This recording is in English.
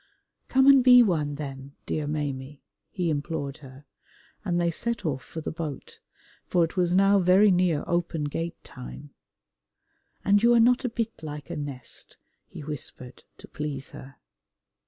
"Come and be one then, dear Maimie," he implored her, and they set off for the boat, for it was now very near Open Gate time. "And you are not a bit like a nest," he whispered to please her.